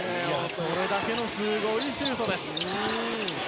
それだけすごいシュートでした。